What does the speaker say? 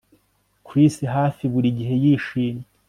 Chris hafi buri gihe yishimye